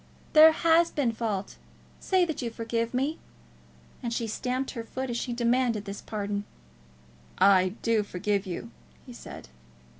"There has been fault. Say that you forgive me." And she stamped her foot as she demanded his pardon. "I do forgive you," he said.